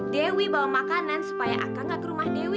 dewi bawa makanan supaya aka gak ke rumah dewi